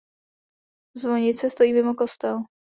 Zvonice stojí mimo kostel.